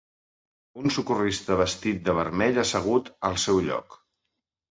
Un socorrista vestit de vermell assegut al seu lloc.